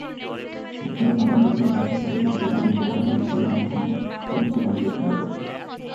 পদ্মার ভাঙনরোধে বাঁধের দাবিতে গতকাল মঙ্গলবার নদীর তীরে মানববন্ধন কর্মসূচি পালন করেছেন এলাকাবাসী।